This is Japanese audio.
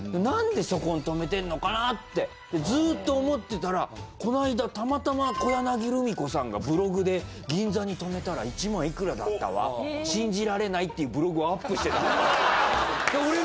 ずーっと思ってたらこの間たまたま小柳ルミ子さんがブログで「銀座に停めたら１万いくらだったわ信じられない」っていうブログをアップしてたの。